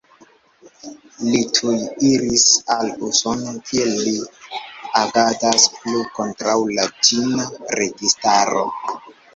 Li tuj iris al Usono, kie li agadas plu kontraŭ la ĉina registaro.